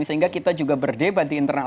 sehingga kita juga berdebat di internal